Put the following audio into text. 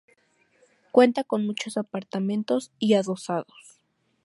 Cuenta con muchos apartamentos y adosados.